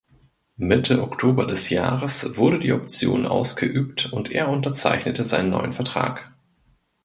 Mitte Oktober des Jahres wurde die Option ausgeübt und er unterzeichnete seinen neuen Vertrag.